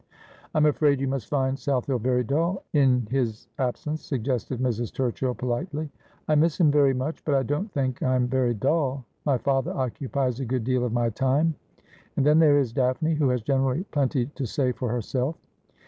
' I'm afraid you must find South Hill very dull in his absence,' suggested Mrs. Turchill politely. ' I miss him very much ; but I don't think I am very dull. My father occupies a good deal of my time ; and then there is Daphne, who has generally plenty to say for herself.'